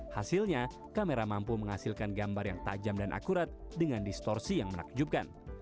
hasilnya kamera mampu menghasilkan gambar yang tajam dan akurat dengan distorsi yang menakjubkan